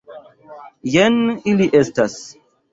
Jen ili estas.